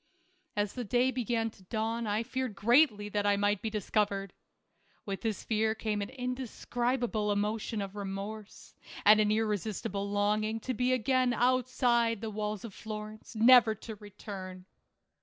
As the day began to dawn, I feared greatly that I might be discovered. With this fear came an indescribable emotion of remorse, and an irresistible longing to be again outside the walls of Florence, never to return.